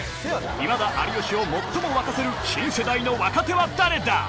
今田・有吉を最も沸かせる新世代の若手は誰だ。